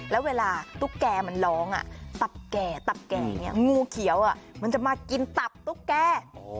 แล้วเวลาตุ๊กแกมันร้องตับแก่ตับแก่อย่างนี้งูเขียวมันจะมากินตับตุ๊กแก